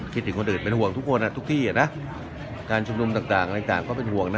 คิดถึงคนอื่นเป็นห่วงทุกคนทุกที่นะการชุมนุมต่างอะไรต่างก็เป็นห่วงนะ